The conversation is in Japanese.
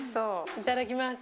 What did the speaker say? いただきます。